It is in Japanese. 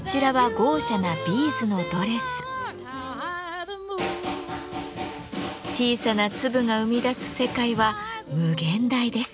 小さな粒が生み出す世界は無限大です。